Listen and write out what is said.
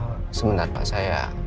of course punya pembantu pelatihan